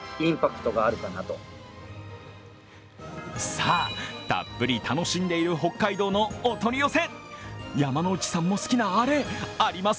さぁ、たっぷり楽しんでいる北海道のお取り寄せ。